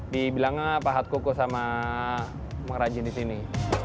dibilangnya pahat kuku sama meraji di sini